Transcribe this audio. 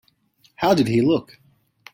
How did he look?